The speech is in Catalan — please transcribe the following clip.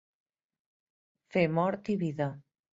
Fer mort i vida.